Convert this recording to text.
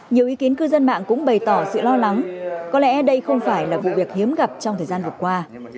nhiều ý kiến cư dân mạng cũng bày tỏ sự lo lắng có lẽ đây không phải là vụ việc hiếm gặp trong thời gian vừa qua